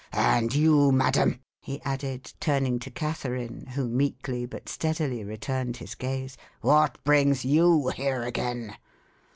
And you, madam," he added, turning to Catherine, who meekly, but steadily, returned his gaze, "what brings you here again?